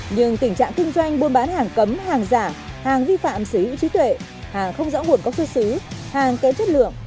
nhưng tình trạng kinh doanh buôn bán hàng cấm hàng giả hàng vi phạm sở hữu trí tuệ hàng không rõ nguồn gốc xuất xứ hàng kém chất lượng